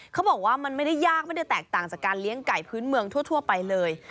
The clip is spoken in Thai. เขาบอกว่ามันไม่ได้ยากไม่ได้แตกต่างจากการเลี้ยงไก่พื้นเมืองทั่วไปเลย